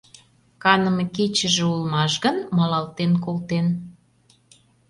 Каныме кечыже улмаш гын, малалтен колтен.